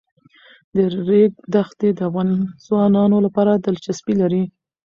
د ریګ دښتې د افغان ځوانانو لپاره دلچسپي لري.